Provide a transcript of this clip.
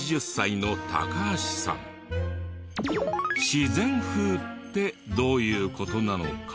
自然風ってどういう事なのか？